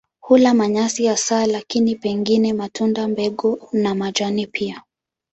Hula manyasi hasa lakini pengine matunda, mbegu na majani pia.